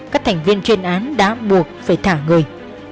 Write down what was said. các thành viên chuyên án đã buộc phải thả người